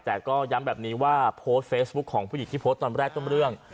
แต่ก็ย้ำแบบนี้ว่าโพสต์เฟซบุ๊คของผู้หญิงที่โพสต์ตอนแรกต้นเรื่อง